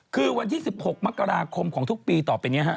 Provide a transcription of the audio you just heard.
คือวันที่๑๖มกราคมของทุกปีต่อไปนี้ฮะ